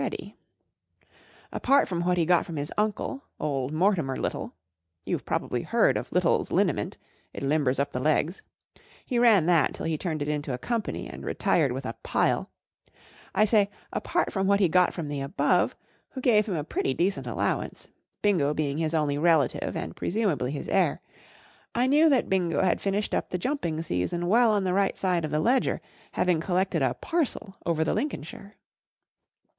IWSITY OF MICHIGAN pfc WO DEttO U SE ILLUSTRATED BY A WALLIS MILLS 4 88 Jeeves in the Spring Time Apart from what he got from his uncle old Mortimer Little ; you've probably heard of Little's Liniment (It Limbers Up The Legs) : he ran that till he turned it into a company and retired with a pile—1 say, apart from what he got from the above, who gave him a pretty decent allowance. Bingo being his only relative a nr l presumably his heir, I knew that Bingo had finished up the jumping season well on the right side of the ledger, having collected a parcel over the Lincolnshire.